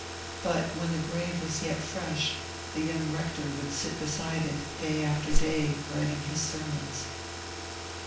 But, when the grave was yet fresh, the young Rector would sit beside it, day after day, writing his sermons.